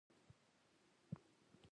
د هغه نجلۍ ته هېڅ پام نه شو.